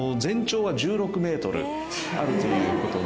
あるという事で。